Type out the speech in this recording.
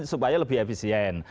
supaya lebih efisien